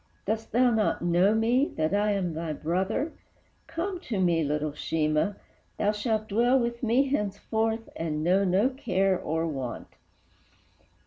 Dost thou not know me, that I am thy brother? Come to me, little Sheemah, thou shalt dwell With me henceforth, and know no care or want!"